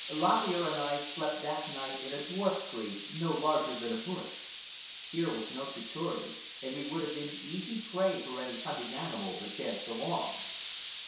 Lop Ear and I slept that night in a dwarf tree, no larger than a bush. Here was no security, and we would have been easy prey for any hunting animal that chanced along.